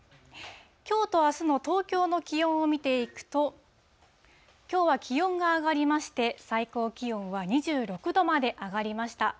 きょうとあすの東京の気温を見ていくと、きょうは気温が上がりまして、最高気温は２６度まで上がりました。